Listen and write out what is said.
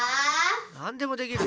なんでもできる。